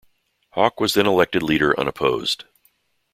Hawke was then elected leader unopposed.